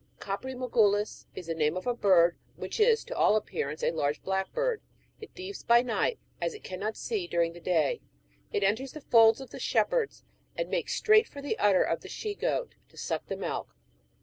" Capriinulgus " is the name of a bird, which is to all appearance a large blackbird ; it thieves by night, as it cannot see during the day. It enters the folds of the shepherds, and makes straight for the udder of the she goat, to suck the milk.